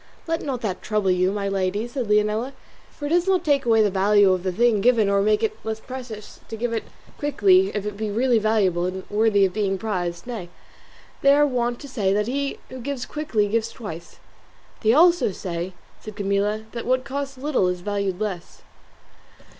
"Let not that trouble you, my lady," said Leonela, "for it does not take away the value of the thing given or make it the less precious to give it quickly if it be really valuable and worthy of being prized; nay, they are wont to say that he who gives quickly gives twice." "They say also," said Camilla, "that what costs little is valued less."